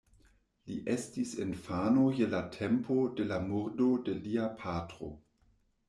Li estis infano je la tempo de la murdo de lia patro.